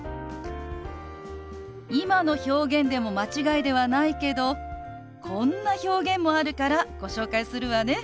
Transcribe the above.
今の表現でも間違いではないけどこんな表現もあるからご紹介するわね。